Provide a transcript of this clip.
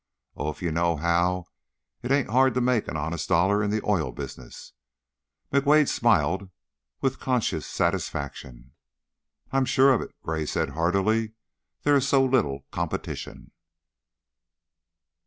Oh, if you know how, it ain't hard to make an honest dollar in the oil business!" Mr. McWade smiled with conscious satisfaction. "I'm sure of it," Gray said, heartily. "There is so little competition."